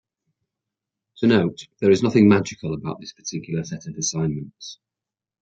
To note, there is nothing magical about this particular set of assignments.